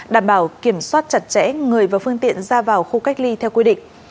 đảm bảo kiểm soát chặt chẽ người và phương tiện ra vào khu cách ly theo quy định